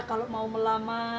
kalau mau melamukannya